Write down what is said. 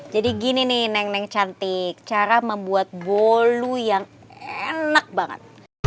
jadi gini nih neng neng cantik cara membuat bolu yang enak banget